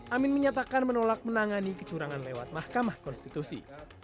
amin menyatakan menolak menangani kecurangan lewat mahkamah konstitusi